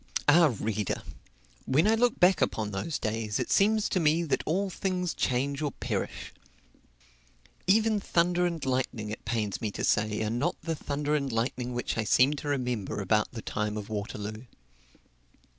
Ah, reader! when I look back upon those days, it seems to me that all things change or perish. Even thunder and lightning, it pains me to say, are not the thunder and lightning which I seem to remember about the time of Waterloo.